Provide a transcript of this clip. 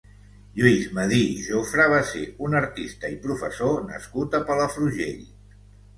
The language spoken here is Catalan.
Lluís Medir Jofra va ser un artista i professor nascut a Palafrugell.